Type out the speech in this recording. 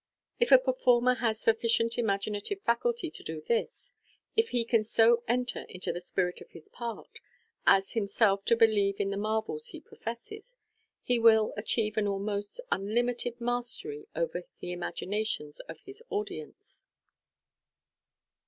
If a performer has sufficient imaginative faculty to do this — if he can so enter into the spirit of his part, as himself to believe in the marvels he professes, he will achieve an almost unlimited mastery over the imaginations of his audience.